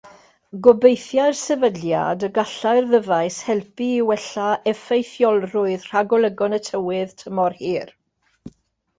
Gobeithiai'r Sefydliad y gallai'r ddyfais helpu i wella effeithiolrwydd rhagolygon y tywydd tymor hir.